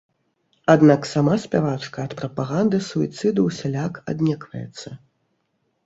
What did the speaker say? Аднак сама спявачка ад прапаганды суіцыду ўсяляк аднекваецца.